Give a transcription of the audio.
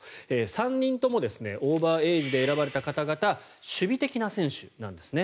３人ともオーバーエイジで選ばれた方々守備的な選手なんですね。